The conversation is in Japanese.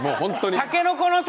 たけのこの里！